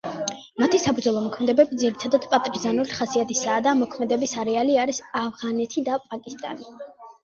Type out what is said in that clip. მათი საბრძოლო მოქმედებები ძირითადად პარტიზანული ხასიათისაა და მოქმედების არეალი არის ავღანეთი და პაკისტანი.